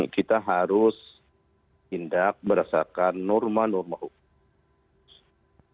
kita harus tindak berdasarkan norma norma hukum